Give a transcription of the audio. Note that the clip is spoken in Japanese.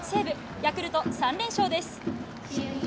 ヤクルト３連勝です。